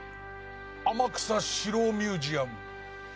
天草四郎ミュージアム。